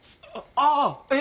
ああえ？